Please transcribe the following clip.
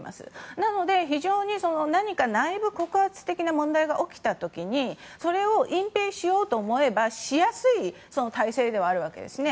なので何か内部告発的な問題が起きた時にそれを隠ぺいしようと思えばしやすい体制ではあるわけですね。